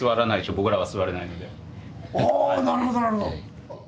あなるほどなるほど。